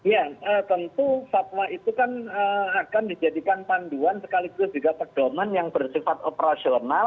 ya tentu fatwa itu kan akan dijadikan panduan sekaligus juga pedoman yang bersifat operasional